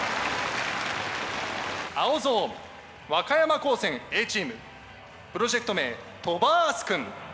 青ゾーン和歌山高専Ａチームプロジェクト名「とばす君」。